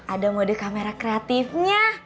ada mode kamera kreatifnya